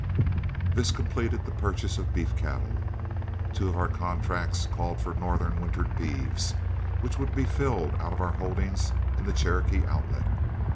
This completed the purchase of beef cattle. Two of our contracts called for northern wintered beeves, which would be filled out of our holdings in the Cherokee Outlet.